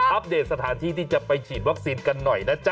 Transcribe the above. เดตสถานที่ที่จะไปฉีดวัคซีนกันหน่อยนะจ๊